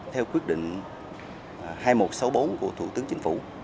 theo quyết định hai nghìn một trăm sáu mươi bốn của thủ tướng chính phủ